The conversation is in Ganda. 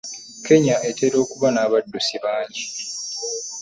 Kenya etera okuba n'abaddusi bangi.